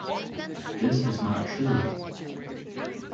This is not true.